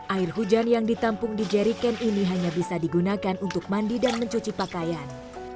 air hujan yang ditampung di jerry can ini hanya bisa digunakan untuk mandi dan mencuci pakaian